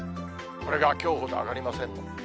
これがきょうほど上がりません。